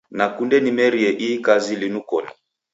Nakunde nimerie ihi kazi linu koni.